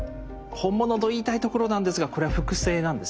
本物と言いたいところなんですがこれは複製なんですね。